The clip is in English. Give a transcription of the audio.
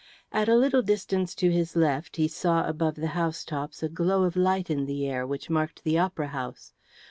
At a little distance to his left he saw above the housetops a glow of light in the air which marked the Opera House.